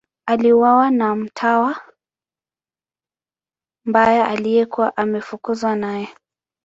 Aliuawa na mtawa mbaya aliyekuwa ameafukuzwa naye.